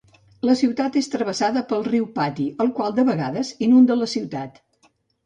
La ciutat és travessada pel riu Pati, el qual de vegades inunda la ciutat.